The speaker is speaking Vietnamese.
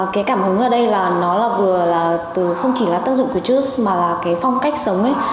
cái cảm hứng ở đây là nó là vừa là không chỉ là tác dụng của churux mà là cái phong cách sống ấy